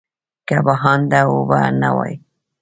که بهانده اوبه نه وای.